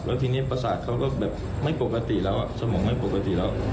แล้วทีนี้ประสาทเขาก็แบบไม่ปกติแล้วสมองไม่ปกติแล้ว